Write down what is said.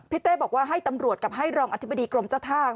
เต้บอกว่าให้ตำรวจกับให้รองอธิบดีกรมเจ้าท่า